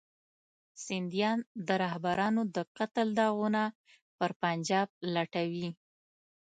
سندیان د رهبرانو د قتل داغونه پر پنجاب لټوي.